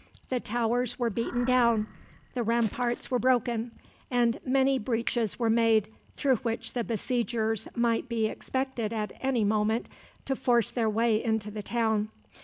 The towers were beaten down, the ramparts were broken, and many breaches were made through which the besiegers might be expected at any moment to force their way into the town.